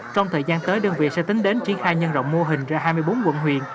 trong thời gian tới đơn vị sẽ tính đến triển khai nhân rộng mô hình ra hai mươi bốn quận huyện